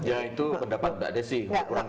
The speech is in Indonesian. ya itu pendapat tidak ada sih